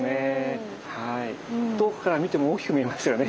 遠くから見ても大きく見えますよね